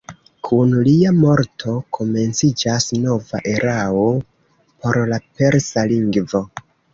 Kun lia morto komenciĝas nova erao por la persa lingvo.